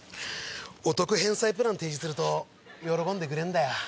お得返済プラン提示すると喜んでくれるんだよ。